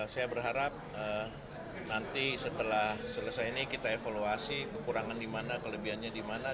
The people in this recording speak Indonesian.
saya berharap nanti setelah selesai ini kita evaluasi kekurangan dimana kelebihannya dimana